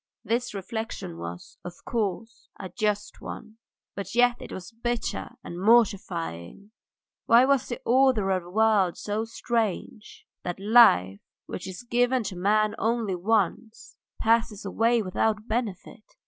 This reflection was, of course, a just one, but yet it was bitter and mortifying; why was the order of the world so strange, that life, which is given to man only once, passes away without benefit?